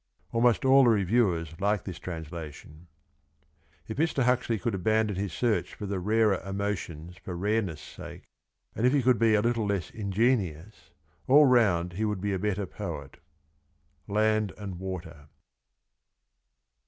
[Almost all the reviewers like this translation.] If Mr. Huxley could abandon his search for the rarer emotions for rareness sake, and if he could be a little less ingenious all round he would be a better poet. — Land and Water.